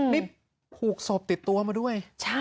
นี่ผูกศพติดตัวมาด้วย